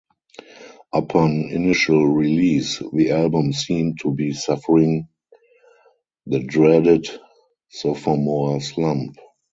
Upon initial release, the album seemed to be suffering the dreaded sophomore slump.